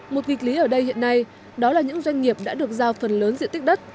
một nghịch lý ở đây hiện nay đó là những doanh nghiệp đã được giao phần lớn diện tích đất